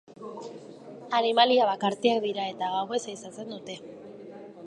Animalia bakartiak dira, eta gauez ehizatzen dute.